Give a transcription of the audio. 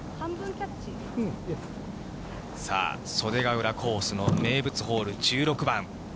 さあ、袖ヶ浦コースの名物ホール、１６番。